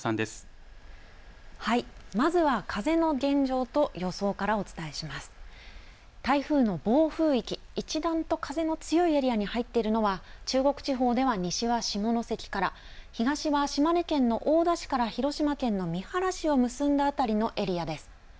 台風の暴風域、一段と風の強いエリアに入っているのは中国地方では西は下関から東は島根県の大田市から広島県の三原市を結んだ辺りのエリアです。